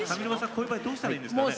こういう場合どうしたらいいんですかね？